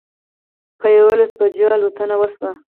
په یوولسو بجو الوتنه وشوه.